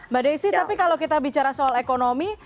mbak desi tapi kalau kita bicara soal ekonomi